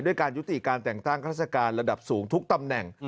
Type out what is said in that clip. การยุติการแต่งตั้งข้าราชการระดับสูงทุกตำแหน่ง